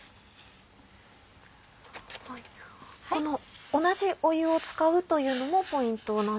この同じ湯を使うというのもポイントなんですね。